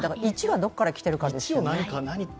１がどこから来ているかですよね